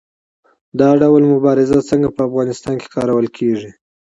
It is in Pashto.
دا ډول مبارزه څنګه په افغانستان کې کارول کیږي؟